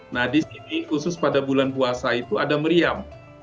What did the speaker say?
nah di sini khusus pada bulan puasa itu ada meriam